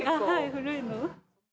古いもの。